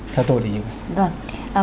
theo tôi là như vậy